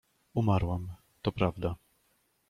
— Umarłam… to prawda.